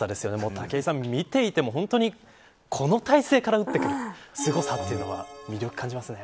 武井さん、見ていてもこの体勢から打ってくるすごさというのは魅力感じますね。